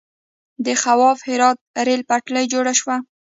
د خواف هرات ریل پټلۍ جوړه شوه.